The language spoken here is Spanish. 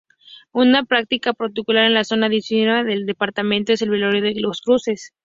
Una práctica particular en la zona andina del departamento es el velatorio de cruces.